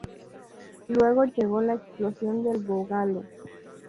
Luego llegó la explosión del boogaloo.